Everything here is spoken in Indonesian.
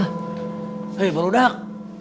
hih baru dek